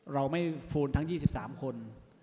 เราไม่ฟูนทั้ง๒๓คน